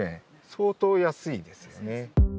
相当安いですよね。